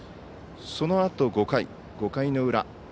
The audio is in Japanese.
そのあと５回、５回の裏。